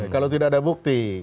kalau tidak ada bukti